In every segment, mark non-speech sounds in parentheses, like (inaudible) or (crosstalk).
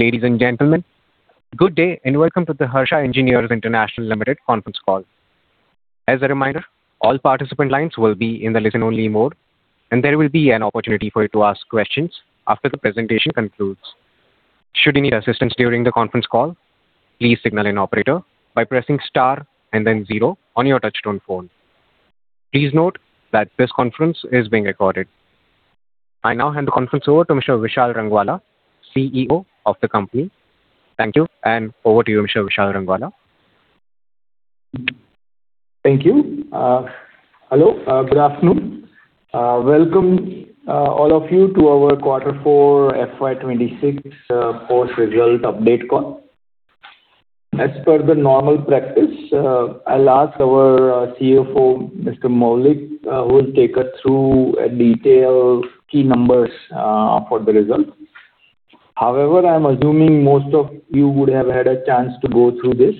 Ladies and gentlemen, good day, and welcome to the Harsha Engineers International Limited conference call. I now hand the conference over to Mr. Vishal Rangwala, CEO of the company. Thank you, and over to you, Mr. Vishal Rangwala. Thank you. Hello. Good afternoon. Welcome, all of you to our Quarter Four FY 2026 post result update call. As per the normal practice, I'll ask our CFO, Mr. Maulik, who will take us through a detailed key numbers for the results. However, I'm assuming most of you would have had a chance to go through this.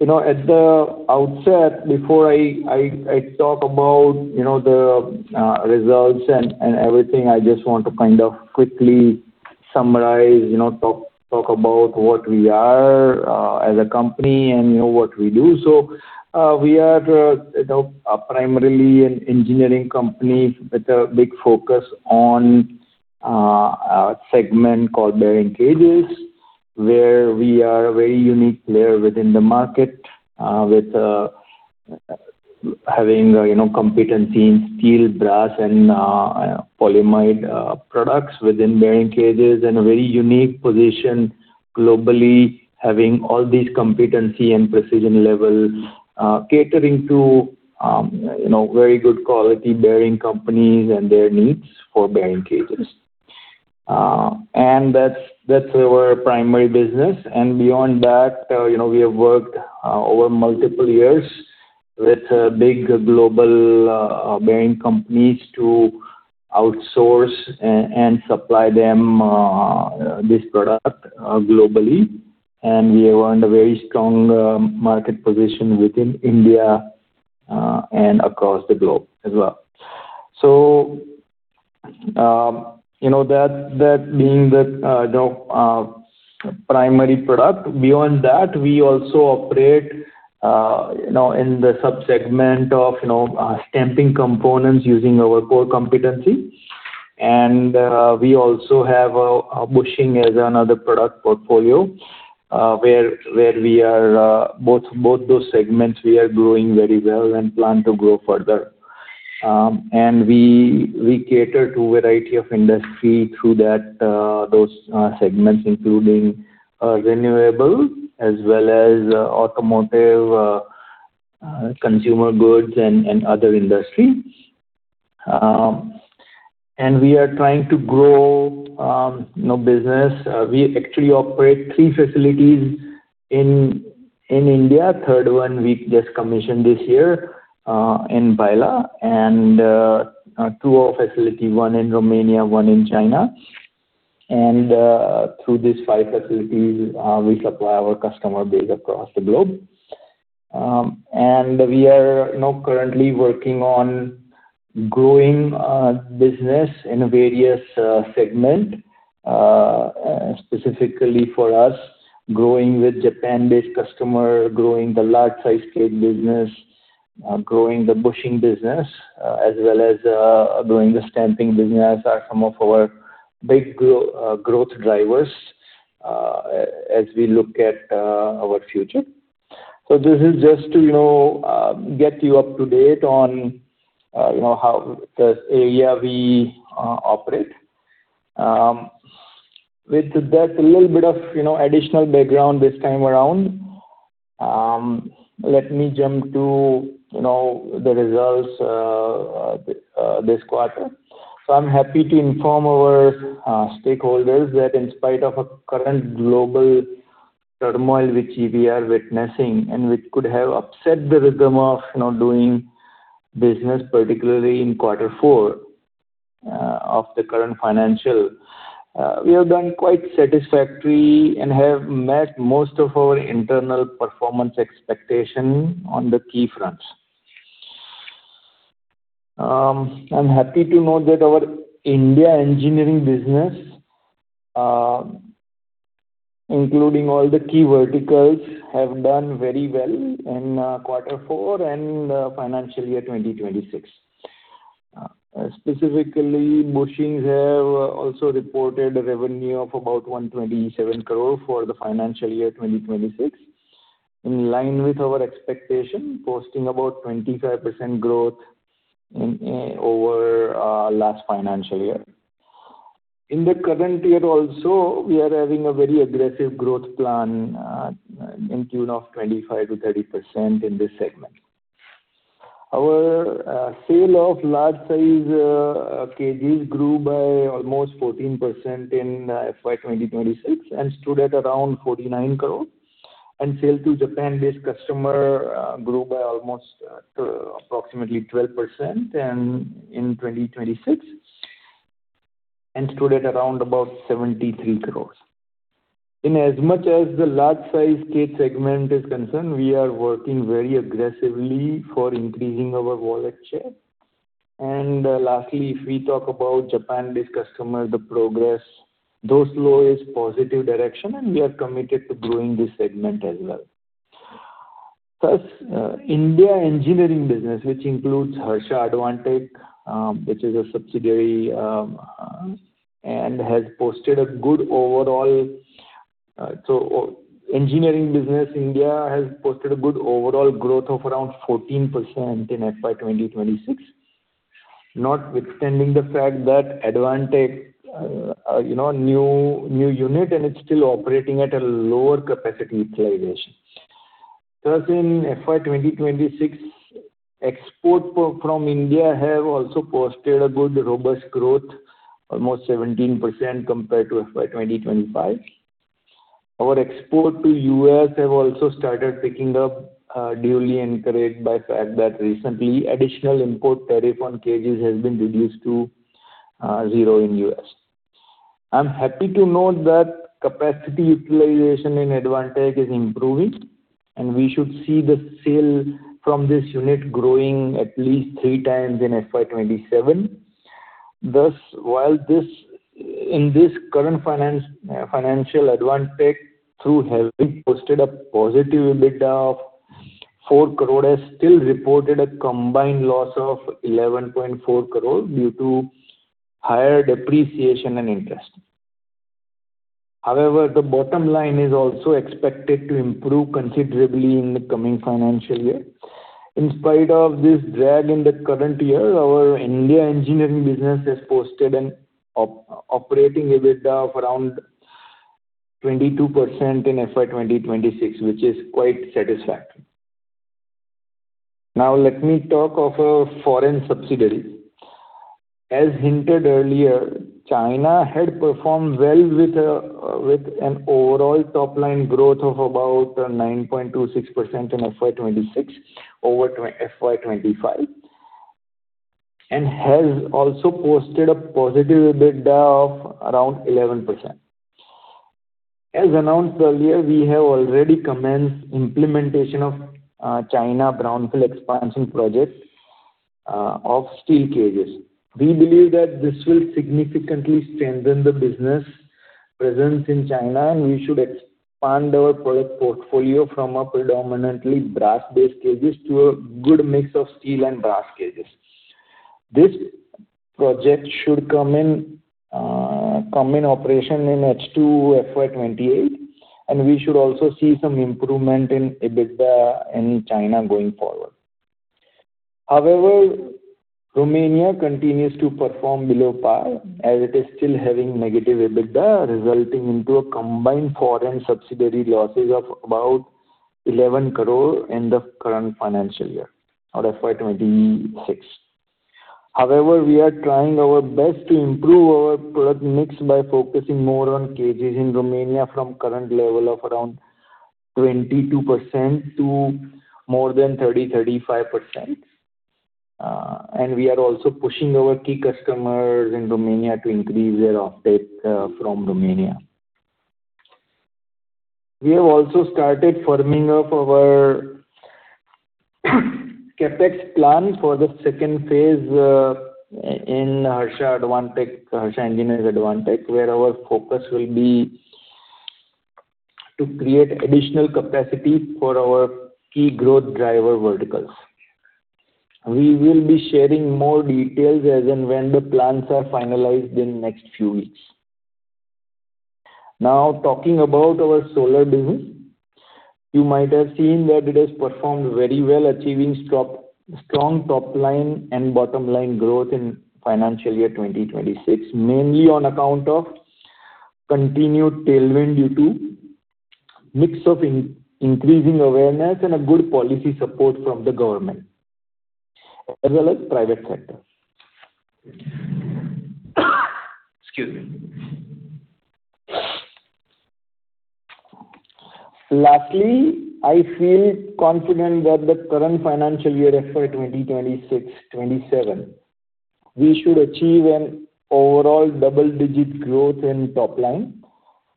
You know, at the outset, before I talk about, you know, the results and everything, I just want to kind of quickly summarize, you know, talk about what we are as a company and, you know, what we do. We are, you know, primarily an engineering company with a big focus on a segment called bearing cages, where we are a very unique player within the market, with having a, you know, competency in steel, brass and polyimide products within bearing cages and a very unique position globally, having all these competency and precision level, catering to, you know, very good quality bearing companies and their needs for bearing cages. And that's our primary business. Beyond that, you know, we have worked over multiple years with big global bearing companies to outsource and supply them this product globally. We have earned a very strong market position within India and across the globe as well. You know, that being the, you know, primary product. Beyond that, we also operate, you know, in the sub-segment of, you know, stamping components using our core competency. we also have a bushing as another product portfolio, where we are, both those segments we are growing very well and plan to grow further. we cater to variety of industry through that, those segments, including renewable as well as automotive, consumer goods and other industries. we are trying to grow, you know, business. We actually operate three facilities in India. Third one we've just commissioned this year, in Bhayla and two more facility, one in Romania, one in China. Through these five facilities, we supply our customer base across the globe. We are now currently working on growing business in various segment, specifically for us, growing with Japan-based customer, growing the large size cage business, growing the bushing business, as well as growing the stamping business are some of our big growth drivers as we look at our future. This is just to, you know, get you up to date on, you know, how the area we operate. With that a little bit of, you know, additional background this time around, let me jump to, you know, the results this quarter. I'm happy to inform our stakeholders that in spite of a current global turmoil which we are witnessing and which could have upset the rhythm of, you know, doing business, particularly in quarter four of the current financial, we have done quite satisfactory and have met most of our internal performance expectation on the key fronts. I'm happy to note that our India engineering business, including all the key verticals, have done very well in quarter four and financial year 2026. Specifically, bushings have also reported a revenue of about 127 crore for the financial year 2026, in line with our expectation, posting about 25% growth over last financial year. In the current year also, we are having a very aggressive growth plan in tune of 25%-30% in this segment. Our sale of large size cages grew by almost 14% in FY 2026 and stood at around 49 crore. Sale to Japan-based customer grew by almost approximately 12% in 2026 and stood at around about 73 crore. In as much as the large size cage segment is concerned, we are working very aggressively for increasing our wallet share. Lastly, if we talk about Japan-based customers, the progress, those flow is positive direction, and we are committed to growing this segment as well. India engineering business, which includes Harsha Advantek, which is a subsidiary, has posted a good overall growth of around 14% in FY 2026. Notwithstanding the fact that Advantek, you know, new unit and it's still operating at a lower capacity utilization. In FY 2026, export from India have also posted a good robust growth, almost 17% compared to FY 2025. Our export to U.S. have also started picking up, duly encouraged by fact that recently additional import tariff on cages has been reduced to in U.S. I'm happy to note that capacity utilization in Advantek is improving, and we should see the sales from this unit growing at least 3x in FY 2027. While in this current finance, financial Advantek through having posted a positive EBITDA of 4 crore has still reported a combined loss of 11.4 crore due to higher depreciation and interest. The bottom line is also expected to improve considerably in the coming financial year. In spite of this drag in the current year, our India engineering business has posted an operating EBITDA of around 22% in FY 2026, which is quite satisfactory. Let me talk of our foreign subsidiary. As hinted earlier, China had performed well with an overall top line growth of about 9.26% in FY 2026 over FY 2025 and has also posted a positive EBITDA of around 11%. As announced earlier, we have already commenced implementation of China brownfield expansion project of steel cages. We believe that this will significantly strengthen the business presence in China, and we should expand our product portfolio from a predominantly brass-based cages to a good mix of steel and brass cages. This project should come in operation in H2 FY 2028, and we should also see some improvement in EBITDA in China going forward. Romania continues to perform below par as it is still having negative EBITDA resulting into a combined foreign subsidiary losses of about 11 crore in the current financial year or FY 2026. We are trying our best to improve our product mix by focusing more on cages in Romania from current level of around 22% to more than 30%-35%. We are also pushing our key customers in Romania to increase their offtake from Romania. We have also started firming up our CapEx plan for the second phase in Harsha Advantek, Harsha Engineers Advantek, where our focus will be to create additional capacity for our key growth driver verticals. We will be sharing more details as and when the plans are finalized in next few weeks. Now talking about our solar business. You might have seen that it has performed very well achieving strong top line and bottom line growth in financial year 2026, mainly on account of continued tailwind due to mix of increasing awareness and a good policy support from the government as well as private sector. Excuse me. Lastly, I feel confident that the current financial year FY 2026-2027, we should achieve an overall double-digit growth in top line,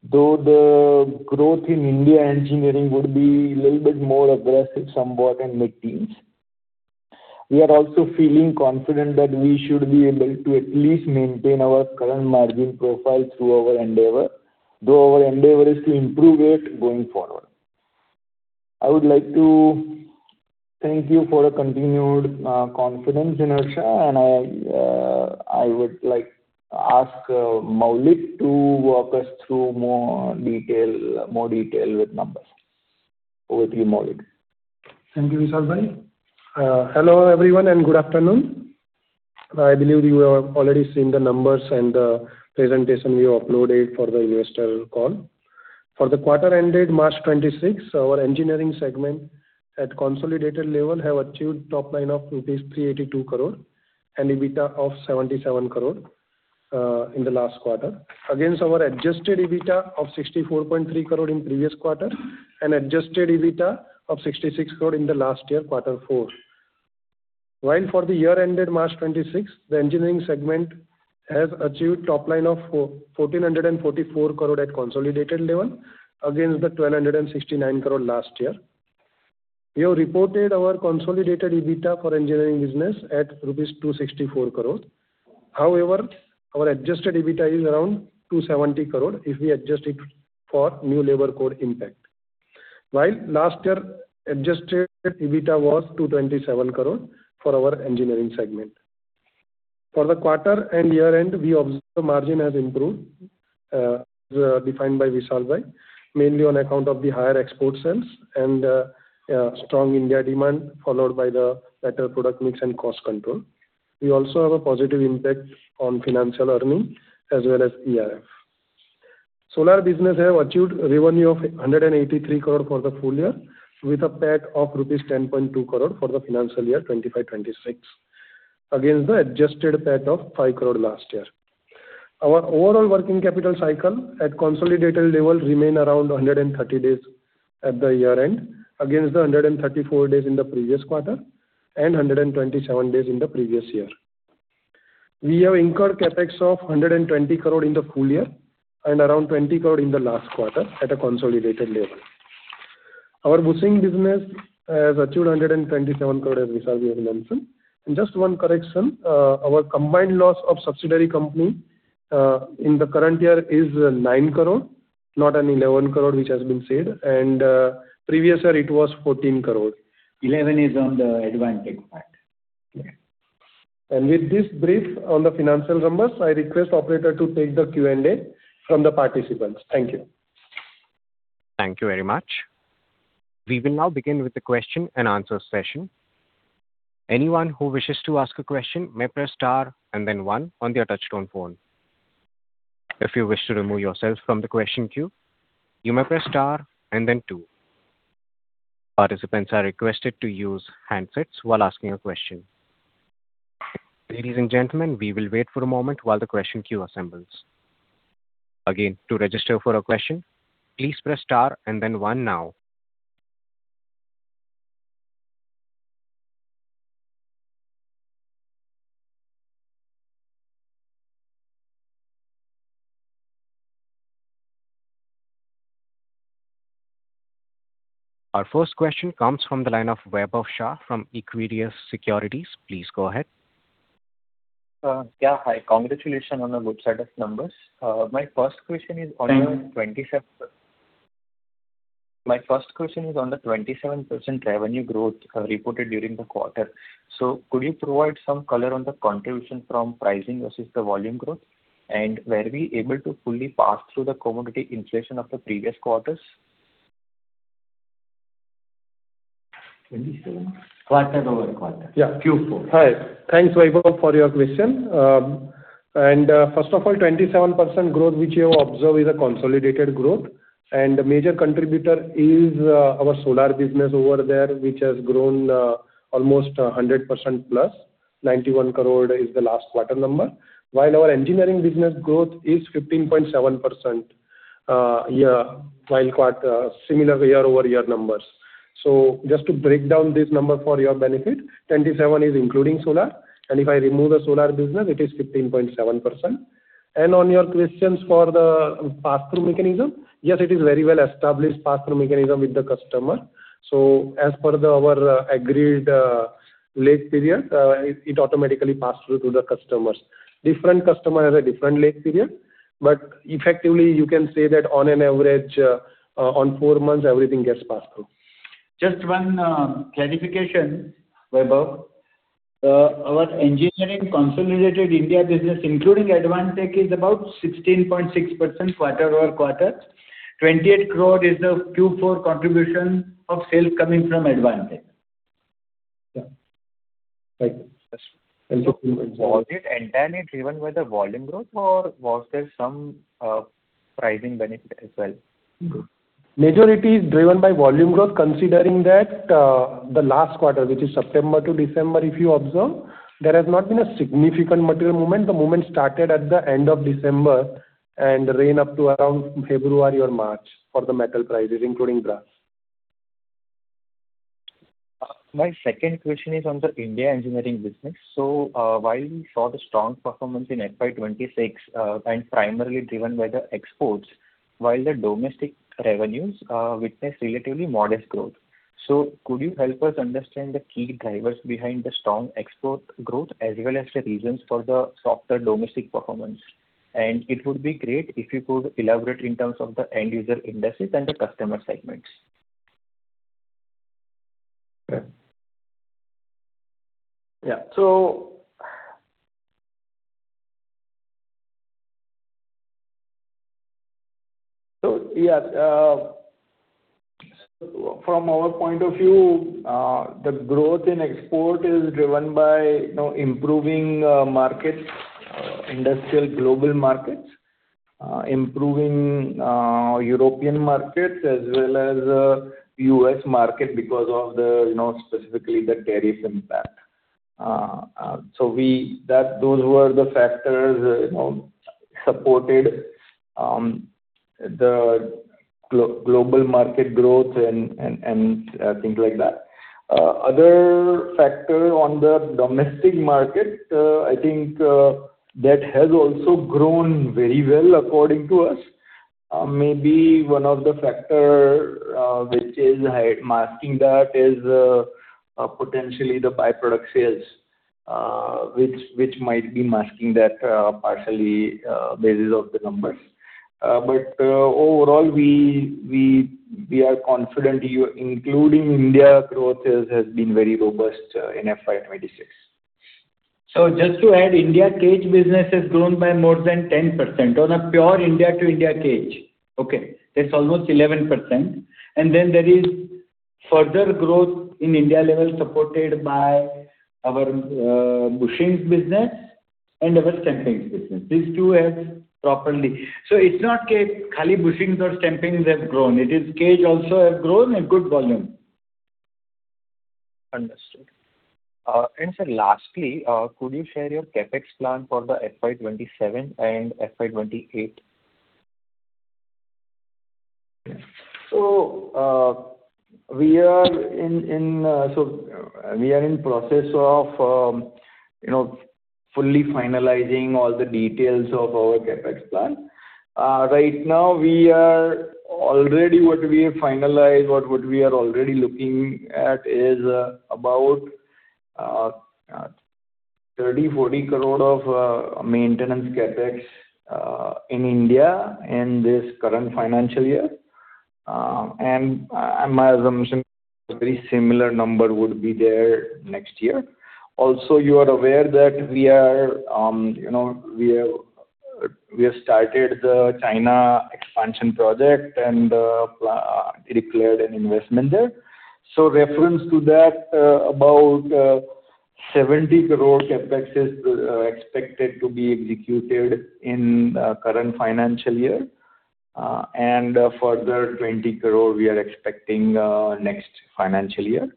though the growth in India engineering would be a little bit more aggressive somewhat in mid-teens. We are also feeling confident that we should be able to at least maintain our current margin profile through our endeavor, though our endeavor is to improve it going forward. I would like to thank you for the continued confidence in Harsha, and I would like to ask Maulik to walk us through more detail with numbers. Over to you, Maulik. Thank you, Vishal. Hello everyone and good afternoon. I believe you have already seen the numbers and the presentation we uploaded for the investor call. For the quarter ended March 26, our engineering segment at consolidated level have achieved top line of rupees 382 crore and EBITDA of 77 crore in the last quarter. Against our adjusted EBITDA of 64.3 crore in previous quarter and adjusted EBITDA of 66 crore in the last year, quarter four. For the year ended March 26, the engineering segment has achieved top line of 1,444 crore at consolidated level against the 1,269 crore last year. We have reported our consolidated EBITDA for engineering business at rupees 264 crore. Our adjusted EBITDA is around 270 crore if we adjust it for New Labour Codes impact. While last year adjusted EBITDA was INR 227 crore for our engineering segment. For the quarter and year end, we observe margin has improved, as defined by Vishal, right, mainly on account of the higher export sales and strong India demand, followed by the better product mix and cost control. We also have a positive impact on financial earning as well as [PR]. Solar business have achieved revenue of 183 crore for the full year, with a PAT of rupees 10.2 crore for the financial year 2025-2026, against the adjusted PAT of 5 crore last year. Our overall working capital cycle at consolidated level remain around 130 days at the year end, against the 134 days in the previous quarter and 127 days in the previous year. We have incurred CapEx of 120 crore in the full year and around 20 crore in the last quarter at a consolidated level. Our bushing business has achieved 127 crore, as Vishal here mentioned. Just one correction, our combined loss of subsidiary company in the current year is 9 crore, not an 11 crore, which has been said. Previous year it was 14 crore. 11 is on the Advantek part. Yeah. With this brief on the financial numbers, I request operator to take the Q&A from the participants. Thank you. Thank you very much. We will now begin with the question-and-answer session. Our first question comes from the line of Vaibhav Shah from Equirus Securities. Please go ahead. Yeah. Hi. Congratulations on the good set of numbers. My first question is on your 27%. My first question is on the 27% revenue growth reported during the quarter. Could you provide some color on the contribution from pricing versus the volume growth? Were we able to fully pass through the commodity inflation of the previous quarters? 27%. quarter-over-quarter. Yeah. Q4. Thanks, Vaibhav, for your question. First of all, 27% growth which you have observed is a consolidated growth, and the major contributor is our solar business over there, which has grown almost 100%+. 91 crore is the last quarter number. Our engineering business growth is 15.7% quarter-over-quarter, similar year-over-year numbers. Just to break down this number for your benefit, 27% is including solar, and if I remove the solar business, it is 15.7%. On your questions for the pass-through mechanism, yes, it is very well established pass-through mechanism with the customer. As per our agreed lag period, it automatically pass through to the customers. Different customer has a different lag period. Effectively, you can say that on an average, on four months, everything gets passed through. Just one clarification, Vaibhav. Our engineering consolidated India business, including Advantek, is about 16.6% quarter-over-quarter. 28 crore is the Q4 contribution of sales coming from Advantek. Yeah. Right. Yes. For Q1 as well. Was it entirely driven by the volume growth or was there some pricing benefit as well? Majority is driven by volume growth, considering that, the last quarter, which is September to December, if you observe, there has not been a significant material movement. The movement started at the end of December and ran up to around February or March for the metal prices, including brass. My second question is on the India engineering business. While we saw the strong performance in FY 2026, and primarily driven by the exports, while the domestic revenues witnessed relatively modest growth. Could you help us understand the key drivers behind the strong export growth as well as the reasons for the softer domestic performance? It would be great if you could elaborate in terms of the end user industries and the customer segments. Yeah. So yeah. From our point of view, the growth in export is driven by, you know, improving markets, industrial global markets, improving European markets as well as U.S. market because of the, you know, specifically the tariff impact. That those were the factors. Supported the global market growth and things like that. Other factor on the domestic market, I think, that has also grown very well according to us. Maybe one of the factor which is masking that is potentially the by-product sales which might be masking that partially basis of the numbers. Overall, we are confident including India growth has been very robust in FY 2026. Just to add, India cage business has grown by more than 10% on a pure India-to-India cage. Okay. That's almost 11%. Then there is further growth in India level supported by our bushing business and our stampings business. It's not like bushings or stampings have grown. It is cage also have grown in good volume. Understood. sir, lastly, could you share your CapEx plan for the FY 2027 and FY 2028? We are in process of, you know, fully finalizing all the details of our CapEx plan. Right now we are already what we have finalized, what we are already looking at is about 30 crore-40 crore of maintenance CapEx in India in this current financial year. My assumption, a very similar number would be there next year. Also, you are aware that we are, you know, we have started the China expansion project and declared an investment there. Reference to that, about 70 crore CapEx is expected to be executed in current financial year, and a further 20 crore we are expecting next financial year.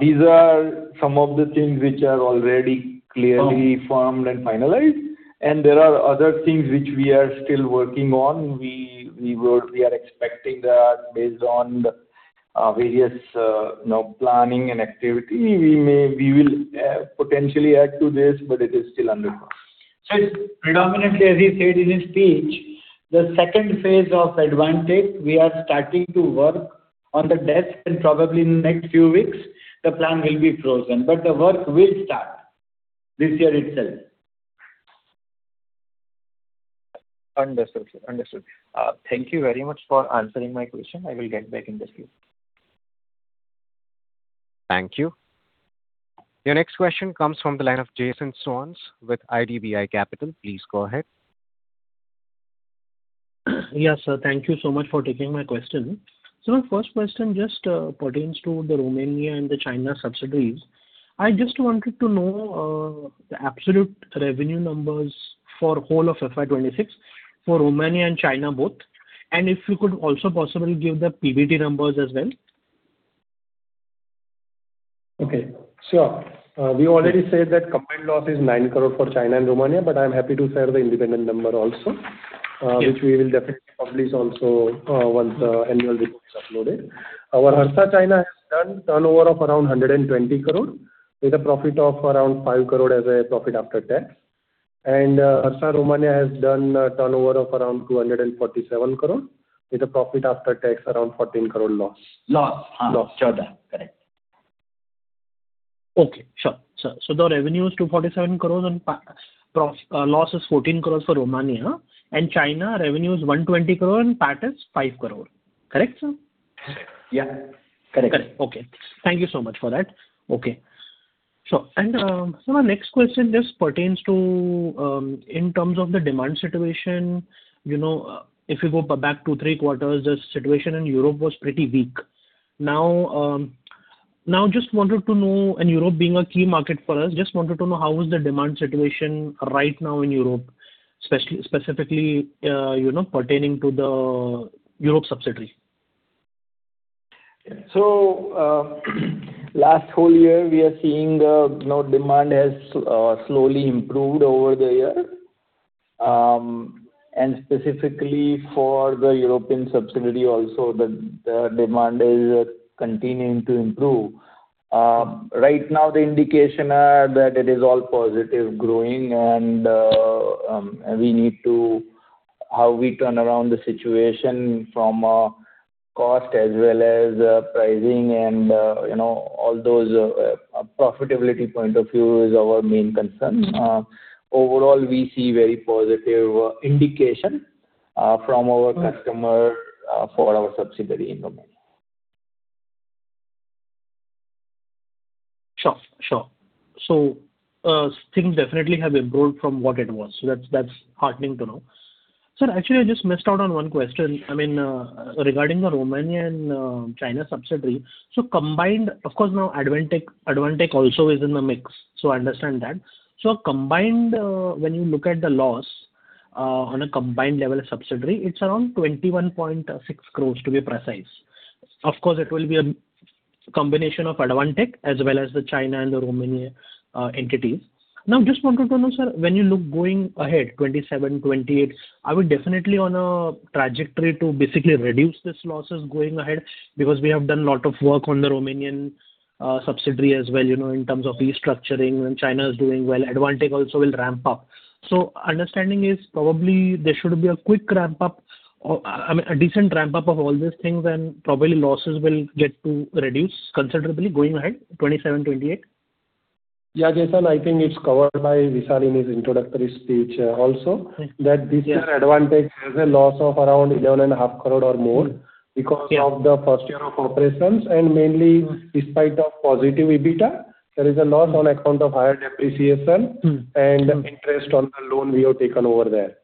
These are some of the things which are already clearly firmed and finalized, and there are other things which we are still working on. We are expecting that based on the various, you know, planning and activity, we will potentially add to this, but it is still under process. It's predominantly, as he said in his speech, the second phase of Advantek, we are starting to work on the desk and probably in the next few weeks the plan will be frozen. The work will start this year itself. Understood, sir. Understood. Thank you very much for answering my question. I will get back in the queue. Thank you. Your next question comes from the line of Jason Soans with IDBI Capital. Please go ahead. Yes, sir. Thank you so much for taking my question. My first question just pertains to the Romania and the China subsidiaries. I just wanted to know the absolute revenue numbers for whole of FY 2026 for Romania and China both. If you could also possibly give the PBT numbers as well. Okay. Sure. We already said that combined loss is 9 crore for China and Romania, but I'm happy to share the independent number also. Yes. Which we will definitely publish also, once the annual report is uploaded. Our Harsha China has done turnover of around 120 crore with a profit of around 5 crore as a profit after tax. Harsha Romania has done a turnover of around 247 crore with a profit after tax around 14 crore loss. Loss. Loss. INR 14. Correct. Okay. Sure. The revenue is 247 crores and loss is 14 crores for Romania. China revenue is 120 crore and PAT is 5 crore. Correct, sir? Correct. Yeah. Correct. Correct. Okay. Thank you so much for that. Okay. My next question just pertains to in terms of the demand situation. You know, if you go back two, three quarters, the situation in Europe was pretty weak. Just wanted to know, and Europe being a key market for us, just wanted to know how is the demand situation right now in Europe, specifically, you know, pertaining to the Europe subsidiary. Last whole year we are seeing the, you know, demand has slowly improved over the year. Specifically for the European subsidiary also the demand is continuing to improve. Right now the indication are that it is all positive growing we need to how we turn around the situation from a cost as well as pricing and, you know, all those profitability point of view is our main concern. Overall, we see very positive indication from our customer for our subsidiary in Romania. Sure, sure. Things definitely have improved from what it was. That's, that's heartening to know. Sir, actually, I just missed out on one question. I mean, regarding the Romania and China subsidiary. Of course, now Advantek also is in the mix, I understand that. Combined, when you look at the loss, on a combined level of subsidiary, it's around 21.6 crores to be precise. Of course, it will be a combination of Advantek as well as the China and the Romania entities. Just wanted to know, sir, when you look going ahead, 2027, 2028, are we definitely on a trajectory to basically reduce these losses going ahead? We have done lot of work on the Romanian subsidiary as well, you know, in terms of restructuring and China is doing well. Advantek also will ramp up. Understanding is probably there should be a quick ramp up or, I mean, a decent ramp up of all these things and probably losses will get to reduce considerably going ahead, 2027, 2028. Yeah, Jason, I think it's covered by Vishal in his introductory speech also. Mm-hmm. Yeah. That this year Advantek has a loss of around 11.5 crore or more. Mm-hmm. Yeah. Because of the first year of operations and mainly despite of positive EBITDA, there is a loss on account of higher depreciation. Interest on the loan we have taken over there.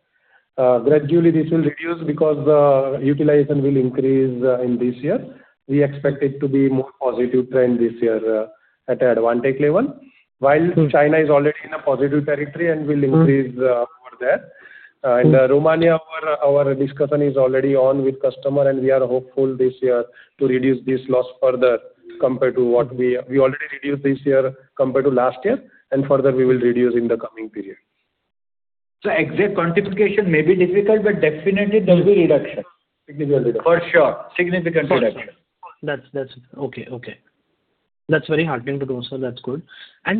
Gradually this will reduce because utilization will increase in this year. We expect it to be more positive trend this year at Advantek level. While China is already in a positive territory and will increase. Over there. In Romania, our discussion is already on with customer, and we are hopeful this year to reduce this loss further compared to what we already reduced this year compared to last year, and further we will reduce in the coming period. Exact quantification may be difficult, but definitely there will be reduction. It will be reduction. For sure. Significant reduction. For sure. That's Okay. That's very heartening to know, sir. That's good.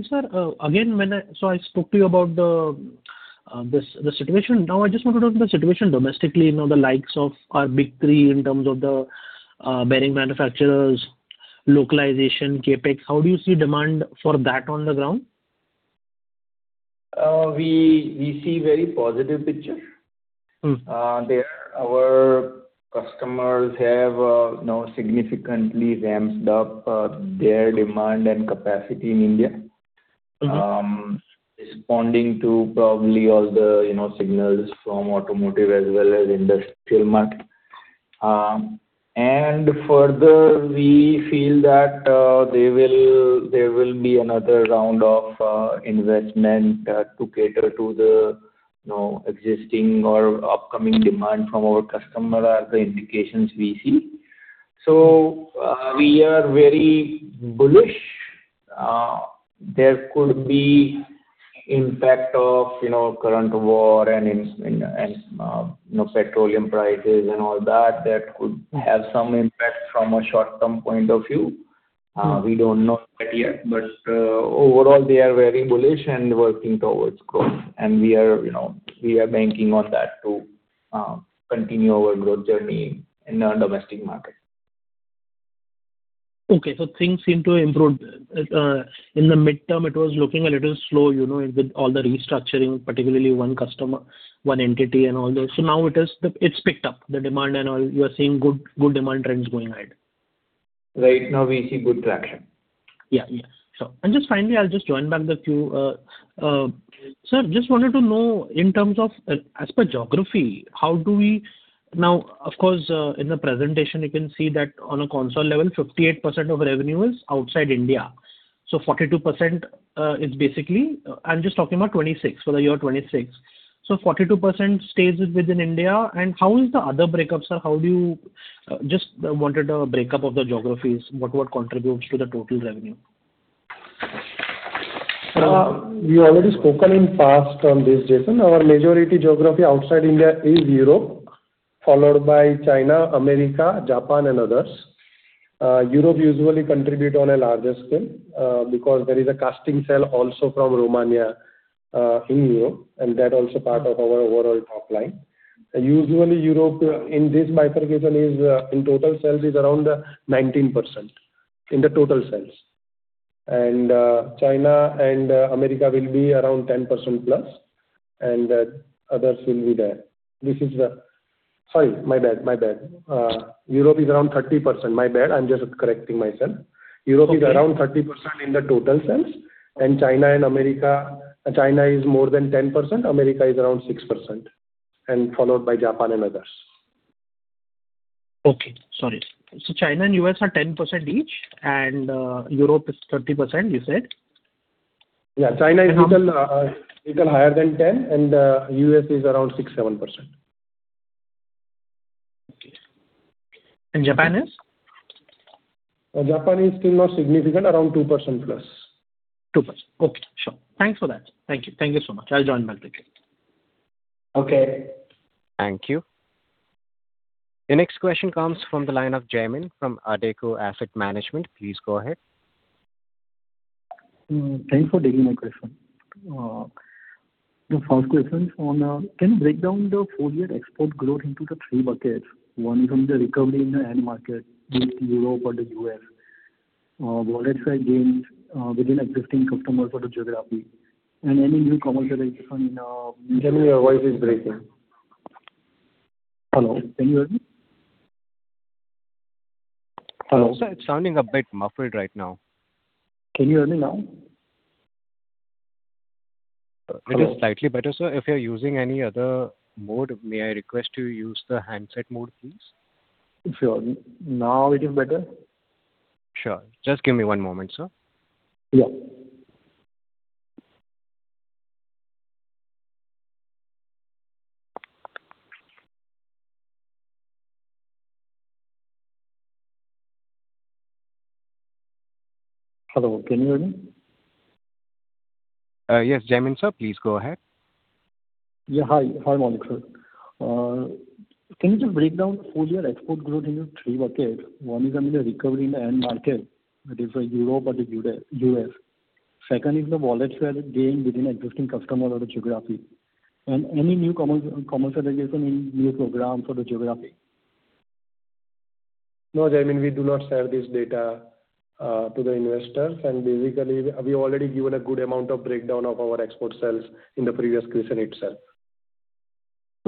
Sir, again, I spoke to you about the, this, the situation. Now I just want to know the situation domestically, you know, the likes of our big three in terms of the bearing manufacturers, localization, CapEx. How do you see demand for that on the ground? We see very positive picture. There our customers have, you know, significantly ramped up their demand and capacity in India. Responding to probably all the, you know, signals from automotive as well as industrial market. Further we feel that there will be another round of investment to cater to the, you know, existing or upcoming demand from our customer are the indications we see. We are very bullish. There could be impact of, you know, current war and, you know, petroleum prices and all that could have some impact from a short-term point of view. We don't know that yet. Overall we are very bullish and working towards growth. We are, you know, we are banking on that to continue our growth journey in our domestic market. Okay. Things seem to improve. In the midterm it was looking a little slow, you know, with all the restructuring, particularly one customer, one entity and all those. Now it's picked up, the demand and all. You are seeing good demand trends going ahead. Right now we see good traction. Yeah. Yeah. Just finally, I'll just join back the queue. Sir, just wanted to know in terms of, as per geography, how do we Now, of course, in the presentation you can see that on a console level 58% of revenue is outside India. 42% is basically, I'm just talking about 2026, for the year 2026. 42% stays within India. How is the other breakups, sir? Just wanted a breakup of the geographies. What, what contributes to the total revenue? We already spoken in past on this, Jason. Our majority geography outside India is Europe, followed by China, America, Japan and others. Europe usually contribute on a larger scale, because there is a casting sale also from Romania, in Europe, and that also part of our overall top line. Usually Europe in this bifurcation is, in total sales is around 19%, in the total sales. China and America will be around 10%+, and others will be there. Sorry, my bad. My bad. Europe is around 30%. My bad. I'm just correcting myself. Okay. Europe is around 30% in the total sales. China and America, China is more than 10%, America is around 6%, and followed by Japan and others. Okay. Sorry. China and U.S. are 10% each, and Europe is 30% you said? Yeah. China is little higher than 10%, and U.S. is around 6%, 7%. Okay. Japan is? Japan is still not significant, around 2%+. 2%. Okay. Sure. Thanks for that. Thank you. Thank you so much. I'll join back the queue. Okay. Thank you. The next question comes from the line of Jaimin from Adecco Asset Management. Please go ahead. Thanks for taking my question. The first question is on, can you break down the full year export growth into the three buckets, one from the recovery in the end market, be it Europe or the U.S., wallet share gains, within existing customers or the geography, and any new commerce realization. Jaimin, your voice is breaking. Hello, can you hear me? Hello? Sir, it's sounding a bit muffled right now. Can you hear me now? Hello? It is slightly better, sir. If you're using any other mode, may I request you use the handset mode, please? Sure. Now it is better? Sure. Just give me one moment, sir. Yeah. Hello. Can you hear me? Yes, Jaimin, sir, please go ahead. Yeah, hi. Hi, Maulik, sir. Can you just break down full year export growth into three buckets? One is, I mean, the recovery in the end market, that is, Europe or the U.S. Two is the wallet share gain within existing customer or the geography. Any new commercialization in new programs or the geography. No, Jaimin, we do not share this data to the investors. Basically, we've already given a good amount of breakdown of our export sales in the previous question itself.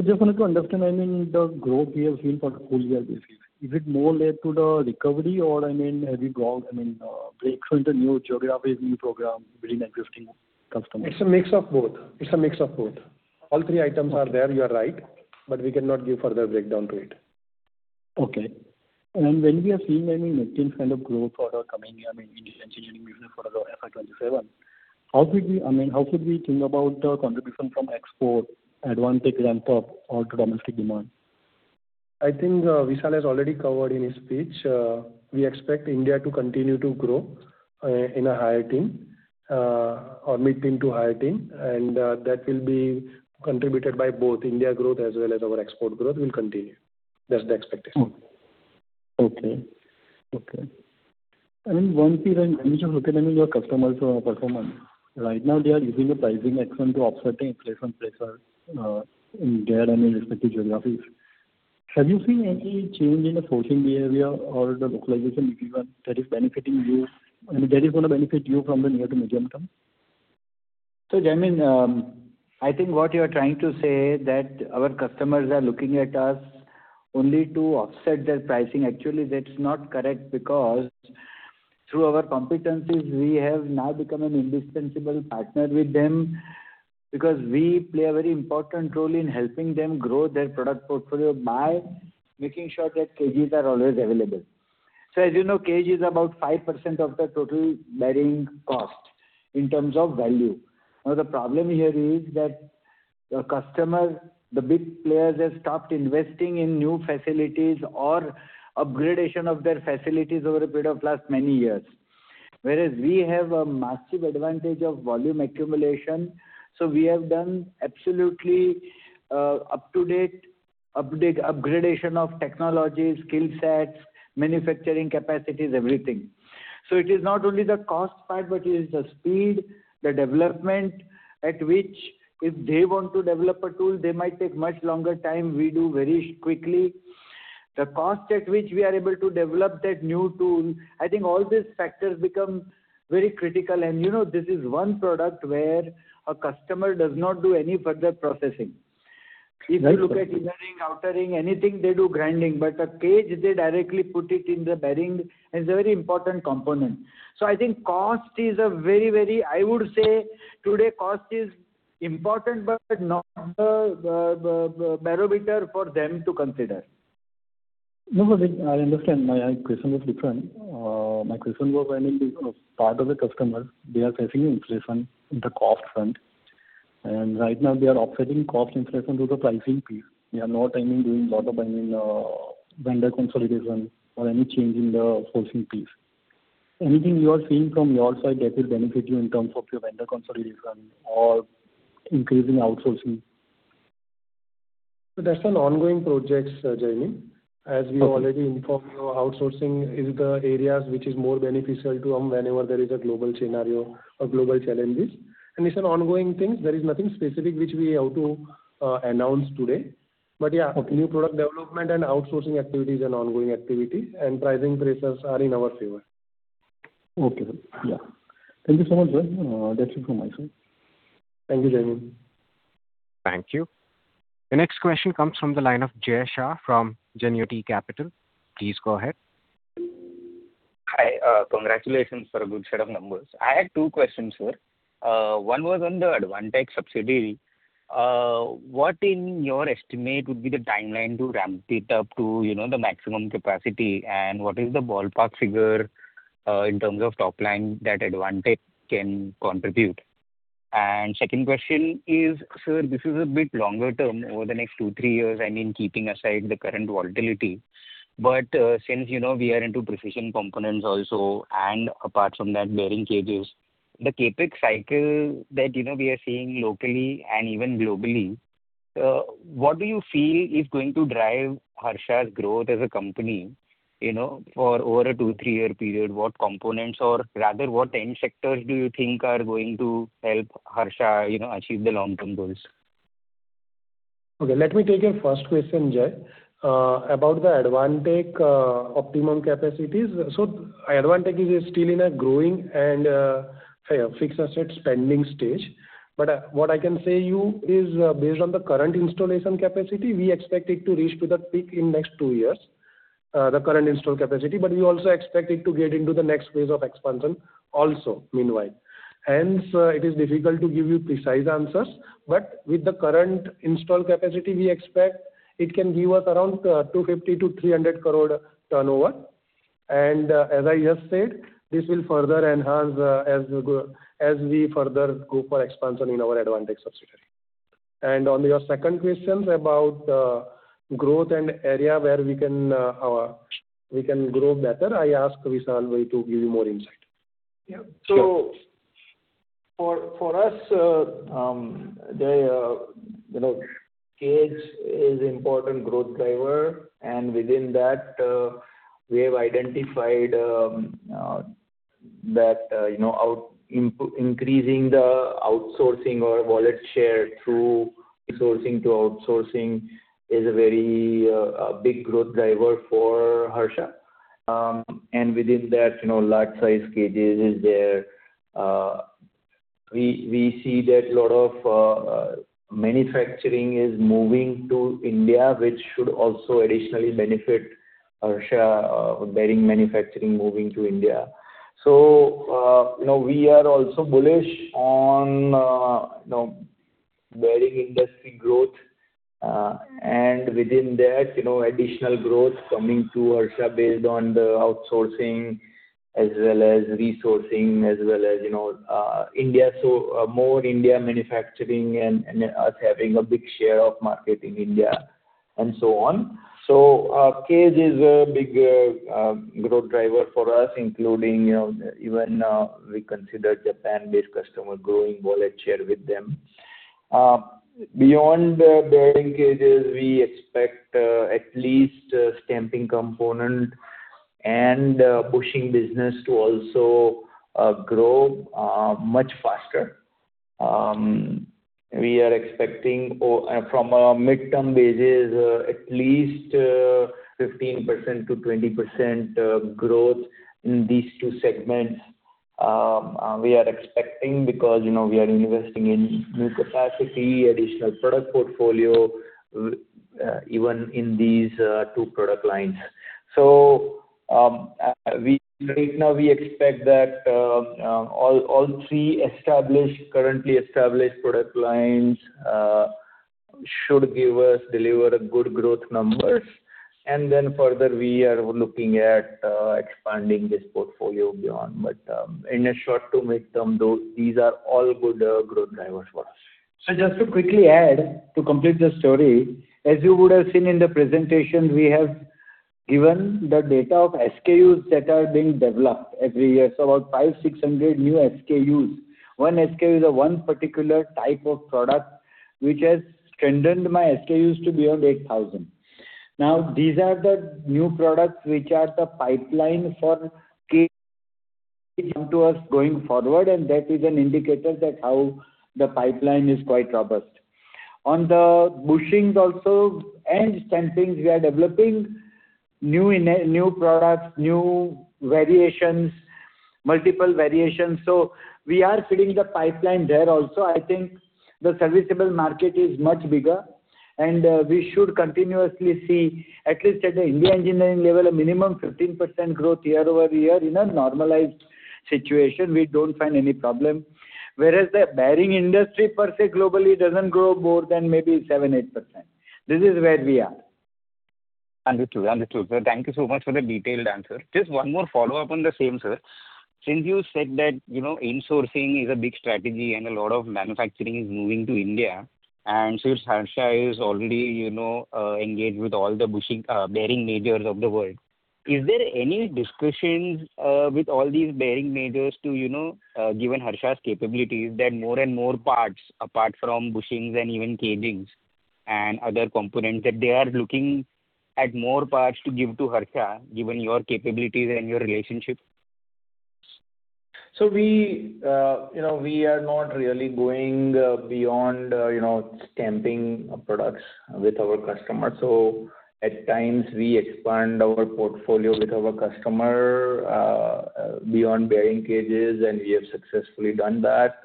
Just wanted to understand, I mean, the growth we have seen for full year basis, is it more led to the recovery or, I mean, have you got, I mean, breakthrough into new geographies, new program within existing customers? It's a mix of both. All three items are there, you are right, but we cannot give further breakdown to it. Okay. When we are seeing, I mean, mid-teen kind of growth for the coming year, I mean, in engineering business for the FY 2027, how could we I mean, how could we think about the contribution from export Advantek ramp up or to domestic demand? I think, Vishal has already covered in his speech. We expect India to continue to grow, in a higher teen, or mid-teen to higher teen, and that will be contributed by both India growth as well as our export growth will continue. That's the expectation. Okay. Okay. I mean, one thing I'm interested in is your customers' performance. Right now they are using the pricing action to offset the inflation pressure, I mean, in their respective geographies. Have you seen any change in the sourcing area or the localization behavior that is going to benefit you from the near to medium term? Jaimin, I think what you're trying to say is that our customers are looking at us only to offset their pricing. Actually, that's not correct, because through our competencies, we have now become an indispensable partner with them because we play a very important role in helping them grow their product portfolio by making sure that cages are always available. As you know, cage is about 5% of the total bearing cost in terms of value. The problem here is that the customers, the big players have stopped investing in new facilities or up-gradation of their facilities over a period of last many years. We have a massive advantage of volume accumulation, so we have done absolutely up-to-date up-gradation of technology, skill sets, manufacturing capacities, everything. It is not only the cost part, but it is the speed, the development at which if they want to develop a tool, they might take much longer time, we do very quickly. The cost at which we are able to develop that new tool, I think all these factors become very critical. You know, this is one product where a customer does not do any further processing. Right. If you look at inner ring, outer ring, anything, they do grinding, but a cage, they directly put it in the bearing, and it's a very important component. I think cost is a very I would say today cost is important but not the barometer for them to consider. No, no, I understand. My question was different. My question was, I mean, part of the customer, they are facing inflation in the cost front, and right now they are offsetting cost inflation to the pricing piece. They are not, I mean, doing lot of, I mean, vendor consolidation or any change in the sourcing piece. Anything you are seeing from your side that will benefit you in terms of your vendor consolidation or increase in outsourcing? That's an ongoing project, sir Jaimin. Okay. As we already informed you, outsourcing is the areas which is more beneficial to them whenever there is a global scenario or global challenges. It's an ongoing thing. There is nothing specific which we have to announce today. Okay. New product development and outsourcing activities are ongoing activities, and pricing pressures are in our favor. Okay, sir. Yeah. Thank you so much, sir. That's it from my side. Thank you, Jaimin. Thank you. The next question comes from the line of Jay Shah from Genuity Capital. Please go ahead. Hi. Congratulations for a good set of numbers. I had two questions, Sir. One was on the Advantek subsidiary. What in your estimate would be the timeline to ramp it up to, you know, the maximum capacity? What is the ballpark figure in terms of top line that Advantek can contribute? Second question is, Sir, this is a bit longer term, over the next two, three years, I mean, keeping aside the current volatility. Since you know we are into precision components also, and apart from that bearing cages, the CapEx cycle that, you know, we are seeing locally and even globally, what do you feel is going to drive Harsha's growth as a company, you know, for over a two, three-year period? What components or rather what end sectors do you think are going to help Harsha, you know, achieve the long-term goals? Okay, let me take your first question, Jay. About the Advantek optimum capacities. Advantek is still in a growing and fixed asset spending stage. What I can say you is, based on the current installation capacity, we expect it to reach to the peak in next two years, the current install capacity, we also expect it to get into the next phase of expansion also meanwhile. It is difficult to give you precise answers, with the current install capacity, we expect it can give us around 250 crore-300 crore turnover. As I just said, this will further enhance as we further go for expansion in our Advantek subsidiary. On your second question about growth and area where We can grow better, I ask Vishal to give you more insight. Yeah. Sure. For us, you know, cage is important growth driver. Within that, we have identified that, you know, increasing the outsourcing or wallet share through resourcing to outsourcing is a very big growth driver for Harsha. Within that, you know, large size cages is there. We see that lot of manufacturing is moving to India, which should also additionally benefit Harsha, bearing manufacturing moving to India. You know, we are also bullish on, you know, bearing industry growth. Within that, you know, additional growth coming to Harsha based on the outsourcing as well as resourcing, as well as, you know, India, more India manufacturing and us having a big share of market in India and so on. Cage is a big growth driver for us, including, you know, even we consider Japan-based customer growing wallet share with them. Beyond the bearing cages, we expect at least stamping component and bushing business to also grow much faster. We are expecting from a midterm basis, at least 15%-20% growth in these two segments. We are expecting because, you know, we are investing in new capacity, additional product portfolio, even in these two product lines. Right now we expect that all three established, currently established product lines should give us, deliver a good growth numbers. Further we are looking at expanding this portfolio beyond. In a short to midterm, these are all good growth drivers for us. Just to quickly add, to complete the story, as you would have seen in the presentation, we have given the data of SKUs that are being developed every year. About 500-600 new SKUs. One SKU is a one particular type of product which has strengthened my SKUs to beyond 8,000. These are the new products which are the pipeline for cage coming to us going forward, and that is an indicator that how the pipeline is quite robust. On the bushings also and stampings, we are developing new products, new variations, multiple variations. We are filling the pipeline there also. I think the serviceable market is much bigger, and we should continuously see at least at the India engineering level, a minimum 15% growth year-over-year in a normalized situation, we don't find any problem. The bearing industry per se globally doesn't grow more than maybe 7%-8%. This is where we are. Understood. Understood. Thank you so much for the detailed answer. Just one more follow-up on the same, sir. Since you said that, you know, insourcing is a big strategy and a lot of manufacturing is moving to India, and since Harsha is already, you know, engaged with all the bushing, bearing majors of the world. Is there any discussions with all these bearing majors to, you know, given Harsha's capabilities that more and more parts apart from bushings and even bearing cages and other components, that they are looking at more parts to give to Harsha given your capabilities and your relationships? We, you know, we are not really going beyond, you know, stamping components with our customers. At times we expand our portfolio with our customer, beyond bearing cages, and we have successfully done that.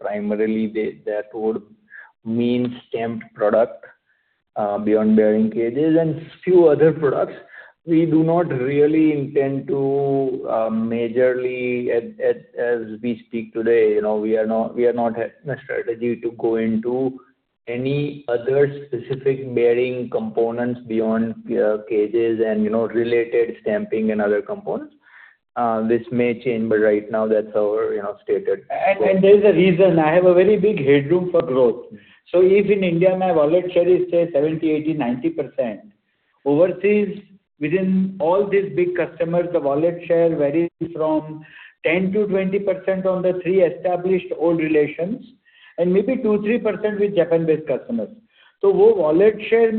Primarily that would mean stamped product, beyond bearing cages and few other products. We do not really intend to majorly as we speak today, you know, we are not a strategy to go into any other specific bearing components beyond cages and, you know, related stamping and other components. This may change, right now that's our, you know, stated goal. There's a reason I have a very big headroom for growth. If in India my wallet share is, say 70%, 80%, 90%, overseas within all these big customers, the wallet share varies from 10%-20% on the three established old relations and maybe 2%, 3% with Japan-based customers. Wallet share.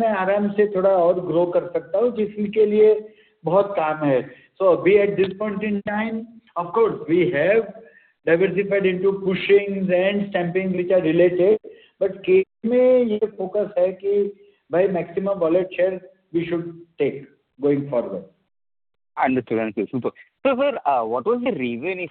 (inaudible) Understood, understood. Sir, what is the main reason.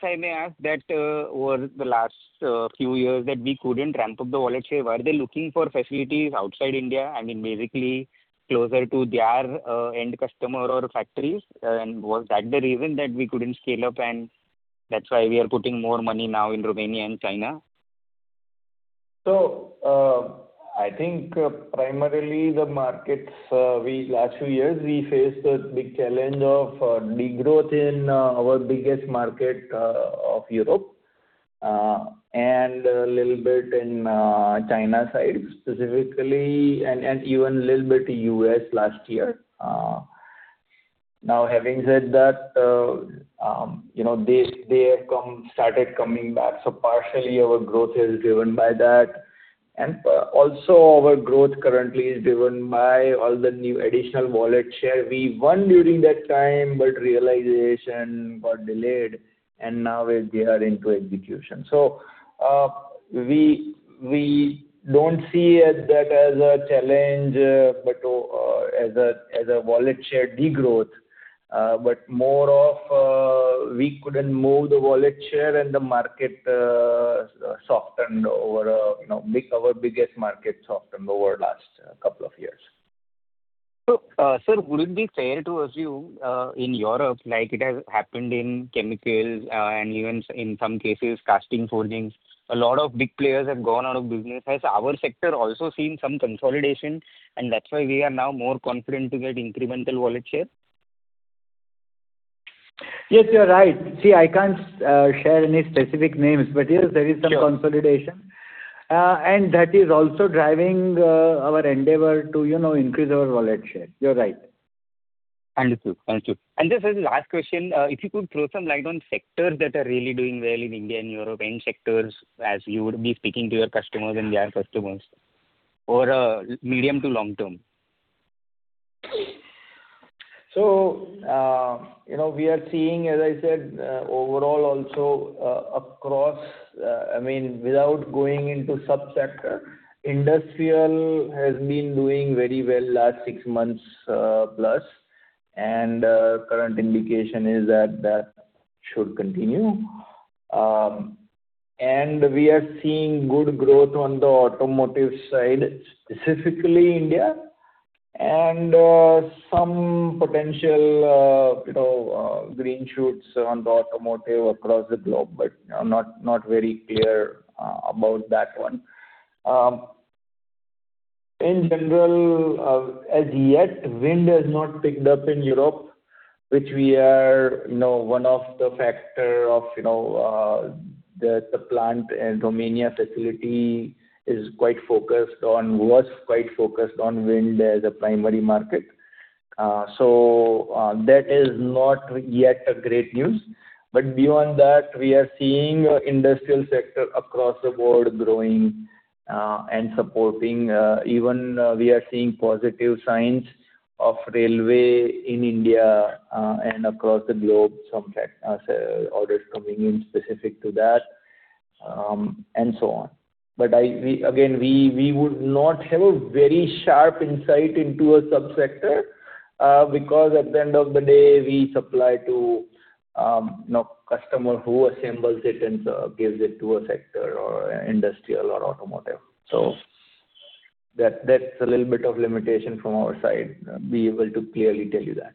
(inaudible) I think primarily the markets, last few years, we faced a big challenge of degrowth in our biggest market of Europe, and a little bit in China side specifically, and even a little bit U.S. last year. Now having said that, you know, they have started coming back. Partially our growth is driven by that. Also our growth currently is driven by all the new additional wallet share we won during that time, but realization got delayed and now is, they are into execution. We don't see as that as a challenge, but, as a wallet share degrowth, but more of, we couldn't move the wallet share and the market, softened over, you know, our biggest market softened over last couple of years. Sir, would it be fair to assume, in Europe, like it has happened in chemicals, and even in some cases, casting, forging, a lot of big players have gone out of business. Has our sector also seen some consolidation, and that's why we are now more confident to get incremental wallet share? Yes, you're right. See, I can't share any specific names, but yes, there is some consolidation. Sure. That is also driving, our endeavor to, you know, increase our wallet share. You're right. Understood. Understood. Just as a last question, if you could throw some light on sectors that are really doing well in India and Europe, any sectors as you would be speaking to your customers and their customers over, medium to long term. You know, we are seeing, as I said, overall also, across, I mean, without going into subsector, industrial has been doing very well last six months, plus. Current indication is that that should continue. We are seeing good growth on the automotive side, specifically India and some potential, you know, green shoots on the automotive across the globe, but I'm not very clear about that one. In general, as yet, wind has not picked up in Europe, which we are, you know, one of the factor of, you know, the plant and Romania facility was quite focused on wind as a primary market. That is not yet a great news. Beyond that, we are seeing industrial sector across the board growing and supporting. Even, we are seeing positive signs of railway in India and across the globe, some fact, orders coming in specific to that and so on. Again, we would not have a very sharp insight into a subsector, because at the end of the day, we supply to, you know, customer who assembles it and gives it to a sector or industrial or automotive. That's a little bit of limitation from our side, be able to clearly tell you that.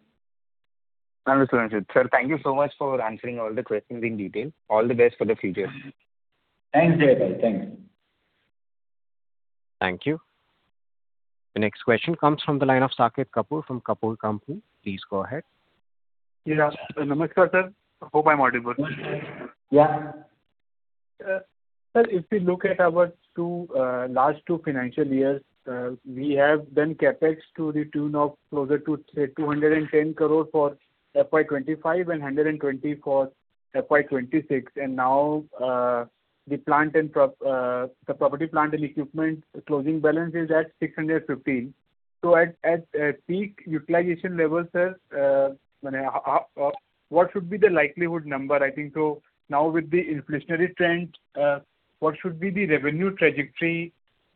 Understood. Sir, thank you so much for answering all the questions in detail. All the best for the future. Thanks, Jay. Thanks. Thank you. The next question comes from the line of Saket Kapoor from Kapoor and Company. Please go ahead. Yeah. Namaskar, sir. Hope I'm audible. Yeah. Sir, if we look at our last two financial years, we have done CapEx to the tune of closer to, say, 210 crore for FY 2025 and 120 crore for FY 2026. Now, the property, plant and equipment closing balance is at 615 crore. At peak utilization levels, sir, I mean, how, what should be the likelihood number? I think so now with the inflationary trend, what should be the revenue trajectory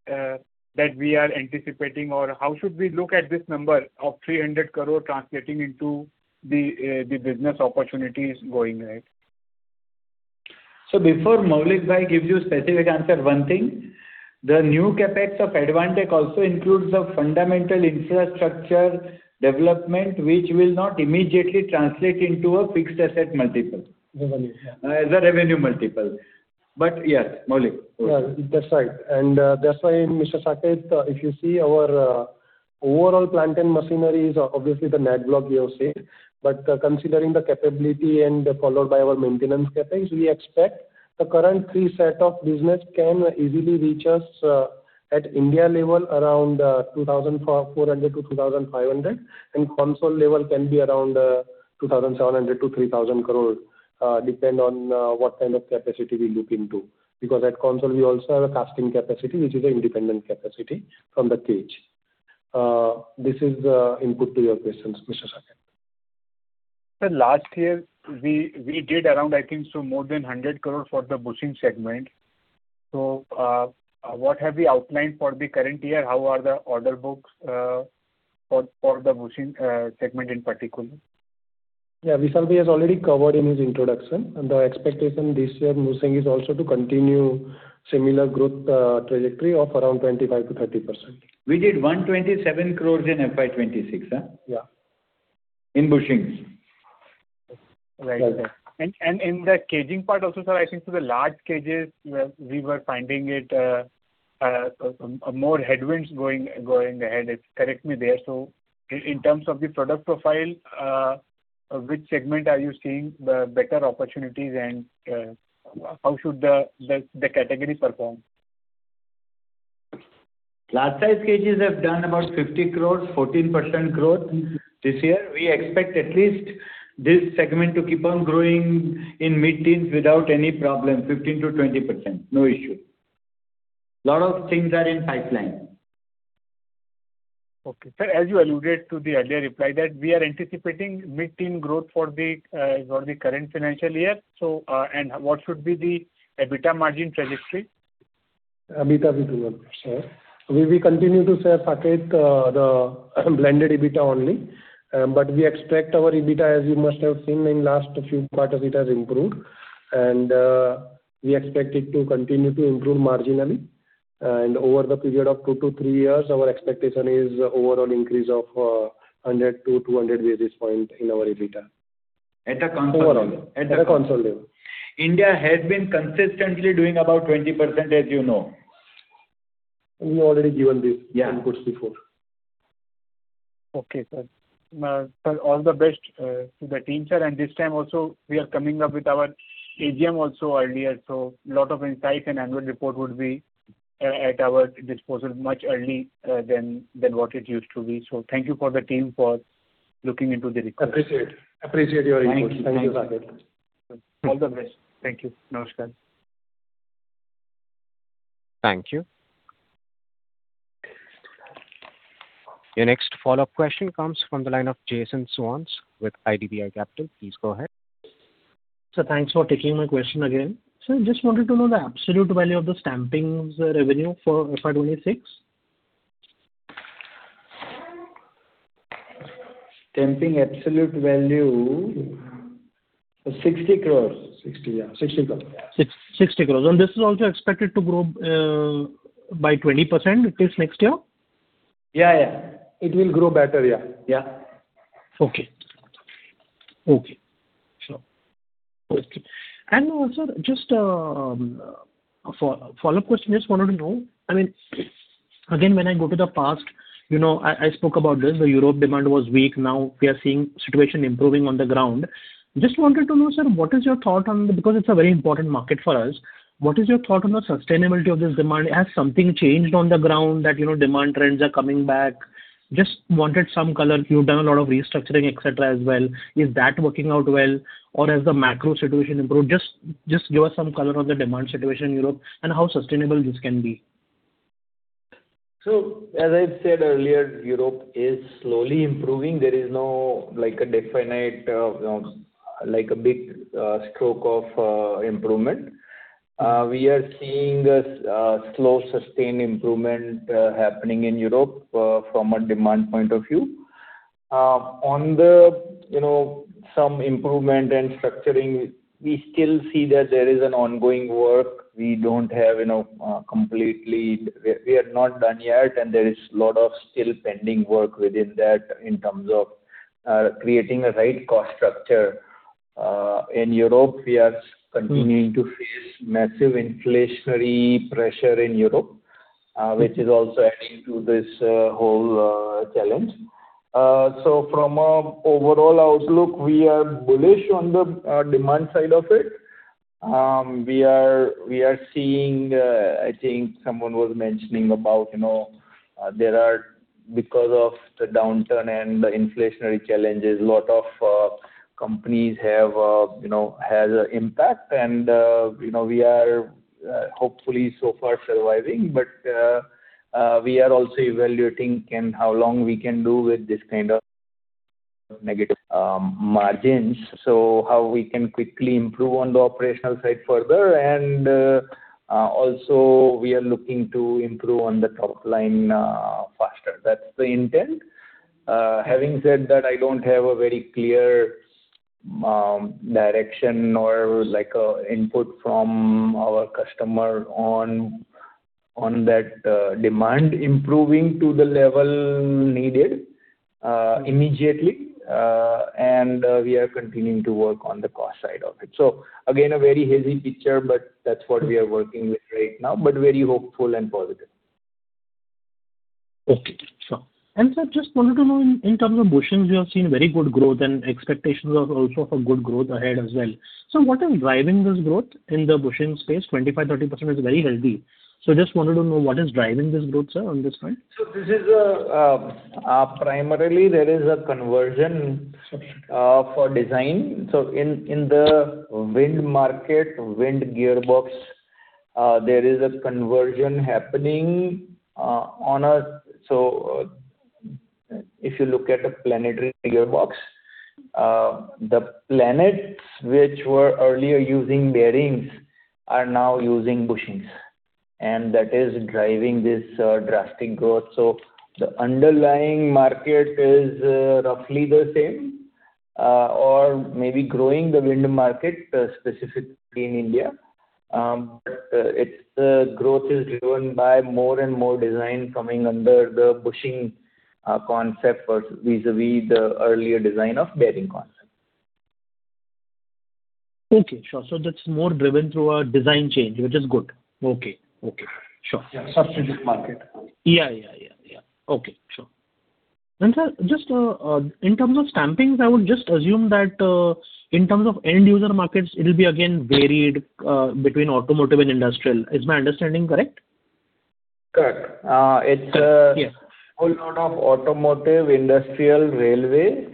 that we are anticipating? How should we look at this number of 300 crore translating into the business opportunities going ahead? Before Maulik bhai gives you specific answer, one thing, the new CapEx of Advantek also includes the fundamental infrastructure development, which will not immediately translate into a fixed asset multiple. Revenue, yeah. The revenue multiple. Yes, Maulik. Well, that's right. That's why, Mr. Saket, if you see our overall plant and machinery is obviously the net block you have seen. Considering the capability and followed by our maintenance CapEx, we expect the current preset of business can easily reach us at India level around 2,400-2,500. Console level can be around 2,700 crore-3,000 crore, depend on what kind of capacity we look into. Because at console we also have a casting capacity, which is a independent capacity from the cage. This is input to your questions, Mr. Saket. Sir, last year we did around I think so more than 100 crore for the bushing segment. What have we outlined for the current year? How are the order books for the bushing segment in particular? Yeah, Vishal has already covered in his introduction. The expectation this year bushing is also to continue similar growth, trajectory of around 25%-30%. We did 127 crores in FY 2026, huh? Yeah. In bushings. Right, sir. In the caging part also, sir, I think for the large cages, we were finding it more headwinds going ahead. Correct me there. In terms of the product profile, which segment are you seeing the better opportunities and how should the category perform? Large size cages have done about 50 crores, 14% growth this year. We expect at least this segment to keep on growing in mid-teens without any problem, 15%-20%. No issue. Lot of things are in pipeline. Okay. Sir, as you alluded to the earlier reply that we are anticipating mid-teen growth for the current financial year, what should be the EBITDA margin trajectory? EBITDA. Sir. We will continue to share, Saket, the blended EBITDA only. We expect our EBITDA, as you must have seen in last few quarters, it has improved. We expect it to continue to improve marginally. Over the period of two to three years, our expectation is overall increase of 100-200 basis point in our EBITDA. At a console level. Overall. At a console level. India has been consistently doing about 20%, as you know. We've already given this. Yeah. Inputs before. Okay, sir. Sir, all the best to the team, sir. This time also we are coming up with our AGM also earlier, so lot of insights and annual report would be at our disposal much early than what it used to be. Thank you for the team for looking into the request. Appreciate. Appreciate your input. Thank you. Thank you, Saket. All the best. Thank you. Namaskar. Thank you. Your next follow-up question comes from the line of Jason Soans with IDBI Capital. Please go ahead. Sir, thanks for taking my question again. Sir, just wanted to know the absolute value of the stampings revenue for FY 2026. Stamping absolute value, 60 crores. 60, yeah. 60 crores, yeah. 60 crores. This is also expected to grow by 20% till next year? Yeah, yeah. It will grow better. Yeah, yeah. Okay. Okay. Sure. Also just a follow-up question. Just wanted to know, I mean, again, when I go to the past, you know, I spoke about this, the Europe demand was weak. Now we are seeing situation improving on the ground. Just wanted to know, sir, what is your thought on the Because it's a very important market for us. What is your thought on the sustainability of this demand? Has something changed on the ground that, you know, demand trends are coming back? Just wanted some color. You've done a lot of restructuring, et cetera, as well. Is that working out well, or has the macro situation improved? Just give us some color on the demand situation in Europe and how sustainable this can be. As I said earlier, Europe is slowly improving. There is no, like, a definite, you know, like a big stroke of improvement. We are seeing a slow, sustained improvement happening in Europe from a demand point of view. On the, you know, some improvement and structuring, we still see that there is an ongoing work. We don't have, you know, completely We are not done yet, and there is lot of still pending work within that in terms of creating a right cost structure. In Europe, we are continuing to face massive inflationary pressure in Europe, which is also adding to this whole challenge. From a overall outlook, we are bullish on the demand side of it. We are, we are seeing, I think someone was mentioning about, you know, there are because of the downturn and the inflationary challenges, lot of companies have, you know, has a impact and, you know, we are hopefully so far surviving. We are also evaluating can, how long we can do with this kind of negative margins. How we can quickly improve on the operational side further and, also we are looking to improve on the top line faster. That's the intent. Having said that, I don't have a very clear direction or, like a input from our customer on that, demand improving to the level needed immediately. We are continuing to work on the cost side of it. Again, a very hazy picture, but that's what we are working with right now, but very hopeful and positive. Okay. Sure. Sir, just wanted to know in terms of bushings, you have seen very good growth and expectations of also for good growth ahead as well. What is driving this growth in the bushing space? 25%-30% is very healthy. Just wanted to know what is driving this growth, sir, on this front. This is primarily there is a conversion for design. In the wind market, wind gearbox, there is a conversion happening if you look at a planetary gearbox, the planets which were earlier using bearings are now using bushings, and that is driving this drastic growth. The underlying market is roughly the same or maybe growing the wind market specifically in India. But it's growth is driven by more and more design coming under the bushing concept for vis-a-vis the earlier design of bearing concept. Okay. Sure. That's more driven through a design change, which is good. Okay. Okay. Sure. Yeah. Substitute market. Yeah. Okay. Sure. Sir, just in terms of stampings, I would just assume that in terms of end user markets, it'll be again varied between automotive and industrial. Is my understanding correct? Correct. It's. Yes. A whole lot of automotive, industrial, railway.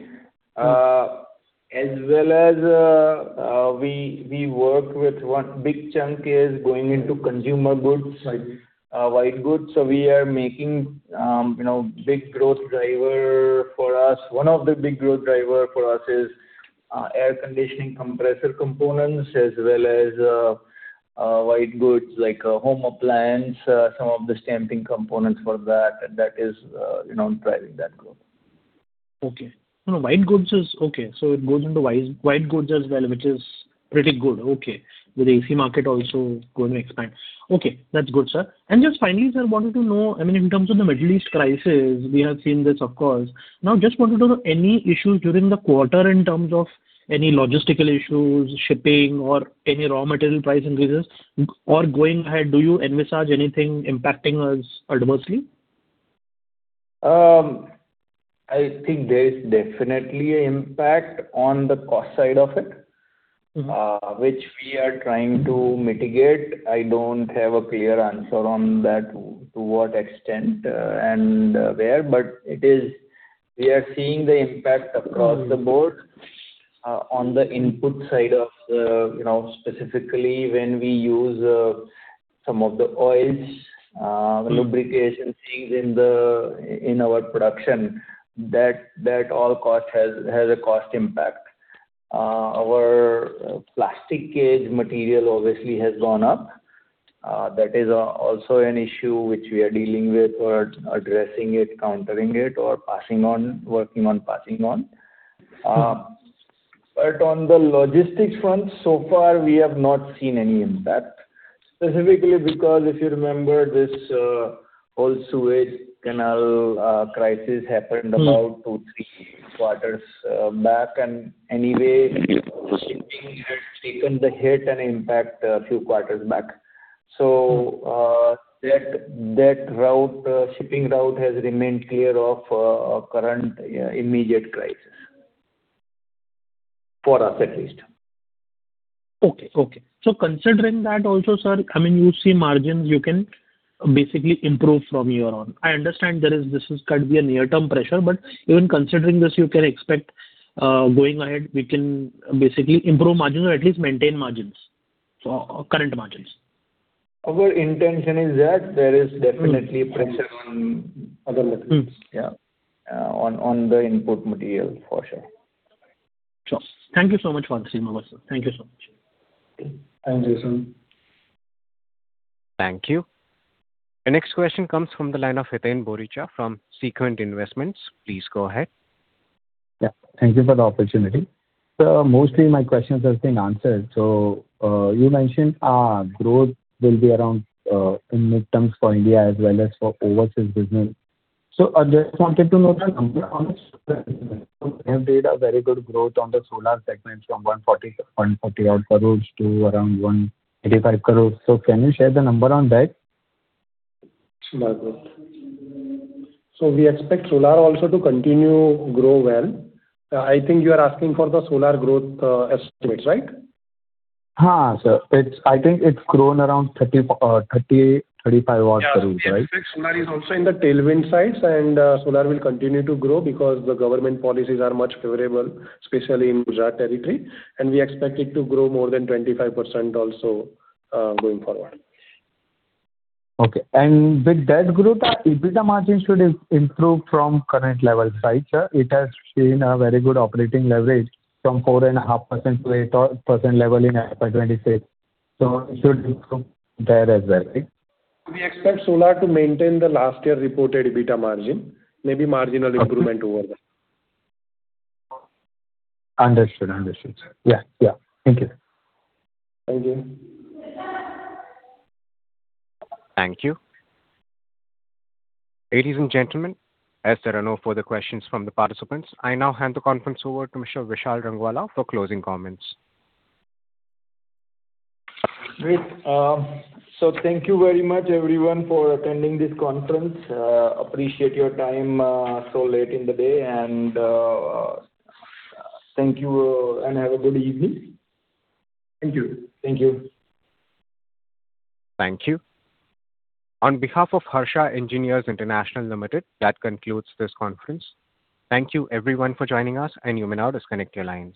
As well as, we work with one big chunk is going into consumer goods. White goods. White goods. So, we are making uhm, big growth driver for us. One of the big growth driver for us is air conditioning compressor components as well as white goods like home appliance, some of the stamping components for that. That is, you know, driving that growth. No, white goods is Okay. It goes into white goods as well, which is pretty good. With AC market also going to expand. That's good, sir. Just finally, sir, wanted to know, I mean, in terms of the Middle East crisis, we have seen this, of course. Just wanted to know any issues during the quarter in terms of any logistical issues, shipping or any raw material price increases. Going ahead, do you envisage anything impacting us adversely? I think there is definitely impact on the cost side of it. Which we are trying to mitigate. I don't have a clear answer on that, to what extent, and where, but We are seeing the impact across the board, on the input side of the, you know, specifically when we use, some of the oils, lubrication things in the, in our production, that all cost has a cost impact. Our plastic cage material obviously has gone up. That is also an issue which we are dealing with or addressing it, countering it, or passing on, working on passing on. On the logistics front, so far we have not seen any impact, specifically because if you remember this, whole Suez Canal crisis happened. About two, three quarters back. Anyway, shipping had taken the hit and impact a few quarters back. That, that route, shipping route has remained clear of, current, immediate crisis, for us at least. Okay. Okay. Considering that also, sir, I mean, you see margins you can basically improve from here on. I understand there is, this is, could be a near-term pressure, but even considering this, you can expect going ahead, we can basically improve margins or at least maintain margins. Our intention is that there is definitely pressure on other levels. Yeah. On the input material for sure. Sure. Thank you so much once again, sir. Thank you so much. Thanks, Jason. Thank you. The next question comes from the line of Hiten Boricha from Sequent Investments. Please go ahead. Yeah. Thank you for the opportunity. Mostly my questions have been answered. You mentioned growth will be around in mid-terms for India as well as for overseas business. I just wanted to know the number on it. You have made a very good growth on the solar segment from 140, 140 odd crores to around 185 crores. Can you share the number on that? My growth. We expect solar also to continue grow well. I think you are asking for the solar growth estimates, right? Ha, sir. I think it's grown around INR 30-INR 35 odd crores, right? Yeah. In fact, solar is also in the tailwind sides and solar will continue to grow because the government policies are much favorable, especially in Gujarat territory, and we expect it to grow more than 25% also going forward. Okay. With that growth, our EBITDA margins should improve from current levels, right, sir? It has seen a very good operating leverage from 4.5% to 8%-odd level in FY 2023. It should improve there as well, right? We expect solar to maintain the last year reported EBITDA margin, maybe marginal improvement over that. Understood. Understood, sir. Yeah. Yeah. Thank you. Thank you. Thank you. Ladies and gentlemen, as there are no further questions from the participants, I now hand the conference over to Mr. Vishal Rangwala for closing comments. Great. Thank you very much everyone for attending this conference. Appreciate your time, so late in the day. Thank you, and have a good evening. Thank you. Thank you. Thank you. On behalf of Harsha Engineers International Limited, that concludes this conference. Thank you everyone for joining us. You may now disconnect your lines.